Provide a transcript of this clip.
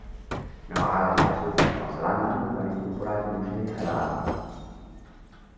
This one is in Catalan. Nova Gal·les del Sud i Nova Zelanda no es van incorporar al Consell Federal.